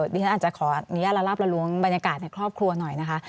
ดิฉันอาจจะขออนุญาตละลาบละล้วงบรรยากาศในครอบครัวหน่อยนะคะ